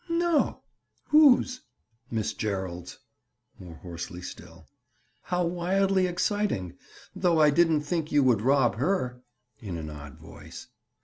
"No. Whose?" "Miss Gerald's." More hoarsely still. "How wildly exciting! Though I didn't think you would rob her." In an odd voice.